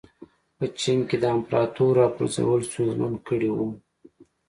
په چین کې د امپراتور راپرځول ستونزمن کړي وو.